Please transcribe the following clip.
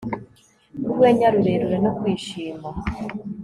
urwenya rurerure no kwishima